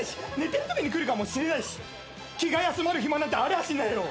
寝てるときに来るかもしれないし気が休まる暇なんてありゃしねえ。